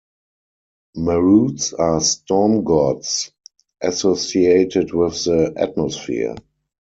Maruts are "storm gods", associated with the atmosphere.